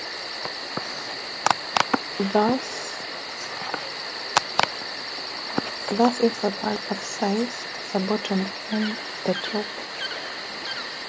Thus, if the barge capsized, the bottom became the top.